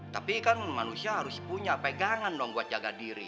tapi kan manusia harus punya pegangan dong buat jaga diri